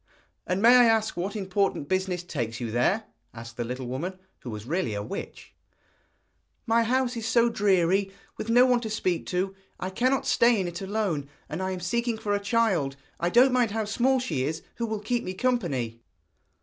'And may I ask what important business takes you there?' asked the little woman, who was really a witch. 'My house is so dreary, with no one to speak to; I cannot stay in it alone, and I am seeking for a child I don't mind how small she is who will keep me company.'